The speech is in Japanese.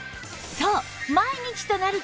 そう！